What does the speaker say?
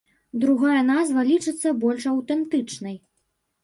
Другая назва лічыцца больш аўтэнтычнай.